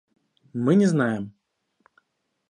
Мы не знаем